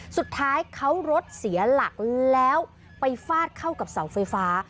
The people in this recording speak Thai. สุดท้ายเขารถเสียหลักแล้วไปฟาดเข้ากับเสาไฟฟ้า